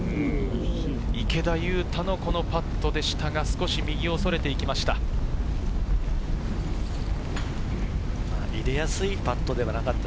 池田勇太のパットでしたが、少し右をそれていきました。